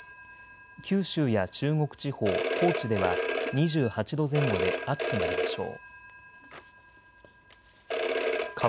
九州や中国地方、高知では２８度前後で暑くなるでしょう。